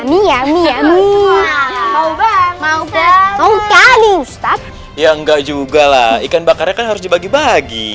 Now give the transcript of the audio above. nih ya nih ya nih mau banget mau kali ustadz ya enggak juga lah ikan bakarnya harus dibagi bagi